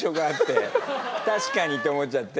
確かにって思っちゃって。